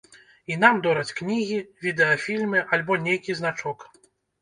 І нам дораць кнігі, відэафільмы альбо нейкі значок.